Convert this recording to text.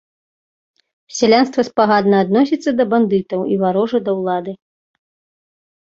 Сялянства спагадна адносіцца да бандытаў і варожа да ўлады.